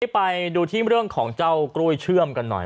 ไปดูที่เรื่องของเจ้ากล้วยเชื่อมกันหน่อย